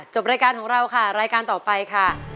รายการของเราค่ะรายการต่อไปค่ะ